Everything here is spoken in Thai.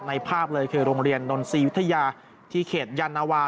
ภาพเลยคือโรงเรียนนนทรีย์วิทยาที่เขตยานวา